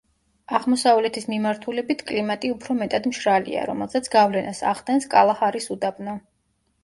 აღმოსავლეთის მიმართულებით კლიმატი უფრო მეტად მშრალია, რომელზეც გავლენას ახდენს კალაჰარის უდაბნო.